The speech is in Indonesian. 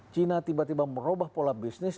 china tiba tiba merubah pola bisnis